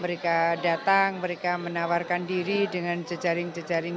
mereka datang mereka menawarkan diri dengan jejaring jejaring